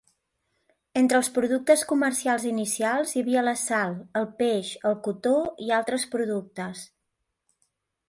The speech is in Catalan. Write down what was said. Entre els productes comercials inicials hi havia la sal, el peix, el cotó i altres productes.